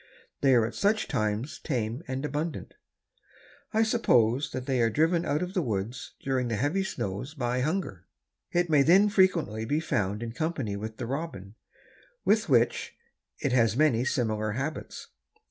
They are at such times tame and abundant. I suppose that they are driven out of the woods during the heavy snows by hunger. It may then frequently be found in company with the robin, with which it has many similar habits.